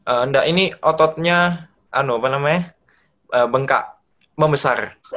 enggak ini ototnya bengkak membesar